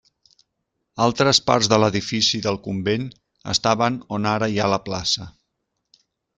Altres parts de l'edifici del convent estaven on ara hi ha la plaça.